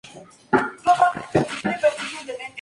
En ambos casos rehusó.